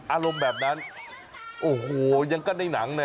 อารมณ์แบบนั้นโอ้โหยังก็ในหนังเนี่ย